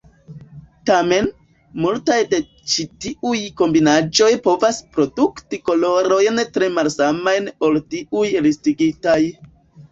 Tamen, multaj de ĉi tiuj kombinaĵoj povas produkti kolorojn tre malsamajn ol tiuj listigitaj.